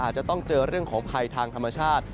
อาจจะต้องเจอเรื่องของภัยทางธรรมชาติ